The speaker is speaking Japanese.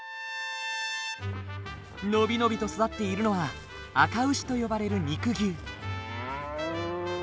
伸び伸びと育っているのはあか牛と呼ばれる肉牛。